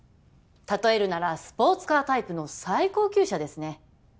例えるならスポーツカータイプの最高級車ですね